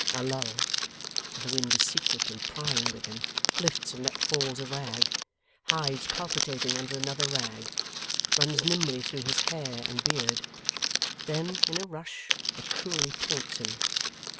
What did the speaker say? A lull, and the wind is secret and prying with him; lifts and lets falls a rag; hides palpitating under another rag; runs nimbly through his hair and beard. Then, in a rush, it cruelly taunts him.